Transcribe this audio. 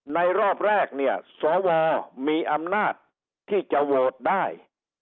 รอบแรกเนี่ยสวมีอำนาจที่จะโหวตได้